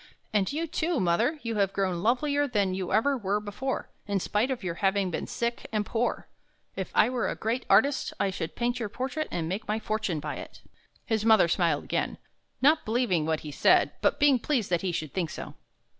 And you too, mother, you have grown lovelier than you ever were before, in spite of your having been sick and poor. If I were a great artist, I 58 THE HUNT FOR THE BEAUTIFUL should paint your portrait and make my fortune by it." His mother smiled again, not believing what he said, but being pleased that he should think so.